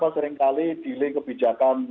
seringkali delay kebijakan